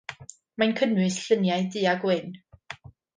Mae'n cynnwys lluniau du a gwyn.